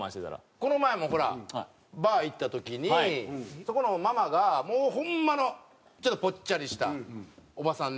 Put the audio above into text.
この前もほらバー行った時にそこのママがもうホンマのちょっとポッチャリしたおばさんね。